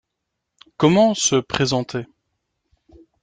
Comment se présenter ?